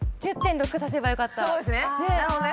そうですね。